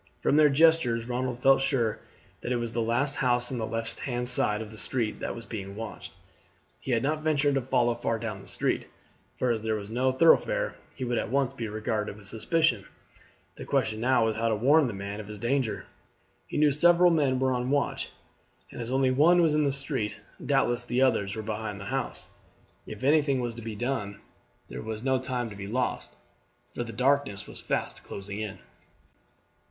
From their gestures Ronald felt sure that it was the last house on the left hand side of the street that was being watched. He had not ventured to follow far down the street, for as there was no thoroughfare he would at once be regarded with suspicion. The question now was how to warn the man of his danger. He knew several men were on the watch, and as only one was in the street, doubtless the others were behind the house. If anything was to be done there was no time to be lost, for the darkness was fast closing in.